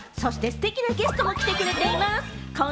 そしてステキなゲストも来てくれています。